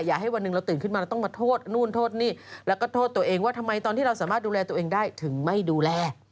อย่าให้วันหนึ่งเราตื่นขึ้นมาเราต้องมาโทษนู่นโทษนี่แล้วก็โทษตัวเองว่าทำไมตอนที่เราสามารถดูแลตัวเองได้ถึงไม่ดูแล